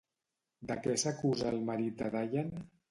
De què s'acusa el marit de Diane?